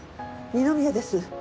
二宮です。